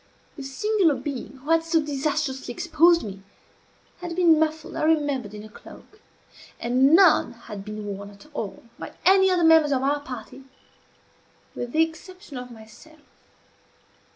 The singular being who had so disastrously exposed me, had been muffled, I remembered, in a cloak; and none had been worn at all by any of the members of our party, with the exception of myself.